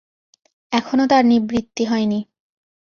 এখনও তার নিবৃত্তি হয় নি।